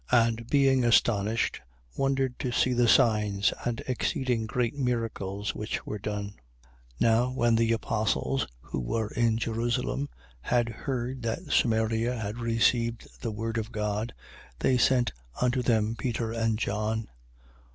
And being astonished, wondered to see the signs and exceeding great miracles which were done. 8:14. Now, when the apostles, who were in Jerusalem, had heard that Samaria had received the word of God, they sent unto them Peter and John.